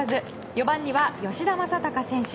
４番には吉田正尚選手。